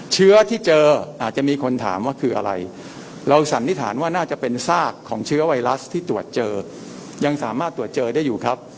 เชื้อที่เจออาจจะมีคนถามว่าคืออะไรเราสันนิษฐานว่าน่าจะเป็นซากของเชื้อไวรัสที่ตรวจเจอยังสามารถตรวจเจอได้อยู่ครับ